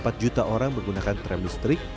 empat juta orang menggunakan tram listrik